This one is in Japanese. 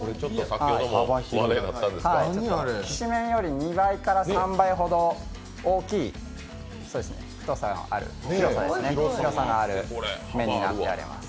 きしめんより２倍から３倍ほど大きい太さがある麺になっております。